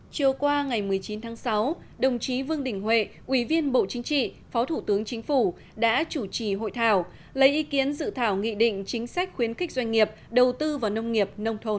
chiều qua ngày một mươi chín tháng sáu đồng chí vương đình huệ ủy viên bộ chính trị phó thủ tướng chính phủ đã chủ trì hội thảo lấy ý kiến dự thảo nghị định chính sách khuyến khích doanh nghiệp đầu tư vào nông nghiệp nông thôn